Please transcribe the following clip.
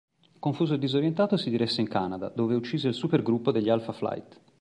Confuso e disorientato, si diresse in Canada, dove uccise il supergruppo degli Alpha Flight.